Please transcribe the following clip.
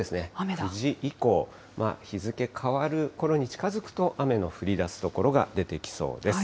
９時以降、日付変わるころに近づくと、雨の降りだす所が出てきそうです。